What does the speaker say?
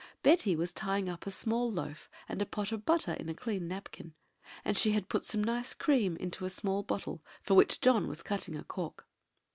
Betty was tying up a small loaf and a pot of butter in a clean napkin; and she had put some nice cream into a small bottle, for which John was cutting a cork.